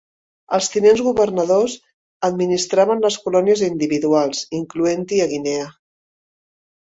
Els tinents governadors administraven les colònies individuals, incloent-hi a Guinea.